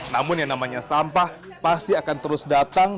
namun yang namanya sampah pasti akan terus datang